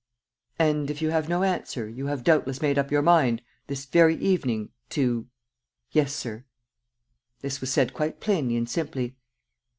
"And, if you have no answer, you have doubtless made up your mind, this very evening, to ..." "Yes, sir." This was said quite plainly and simply.